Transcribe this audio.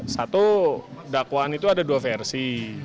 satu dakwaan itu ada dua versi